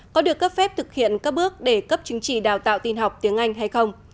có được cấp phép thực hiện các bước để cấp chứng chỉ đào tạo tin học tiếng anh hay không